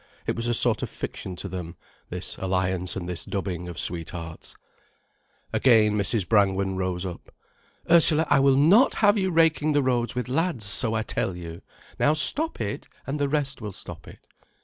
It was a sort of fiction to them, this alliance and this dubbing of sweethearts. Again Mrs. Brangwen rose up. "Ursula, I will not have you raking the roads with lads, so I tell you. Now stop it, and the rest will stop it."